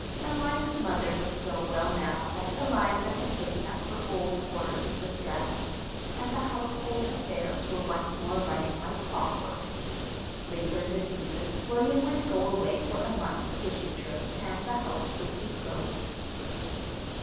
Eliza's mother was so well now that Eliza had taken up her old quarters in the Strata, and the household affairs were once more running like clockwork. Later in the season William would go away for a month's fishing trip, and the house would be closed.